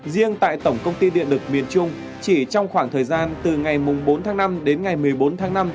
riêng tại tổng công ty điện lực miền trung chỉ trong khoảng thời gian từ ngày bốn tháng năm đến ngày một mươi bốn tháng năm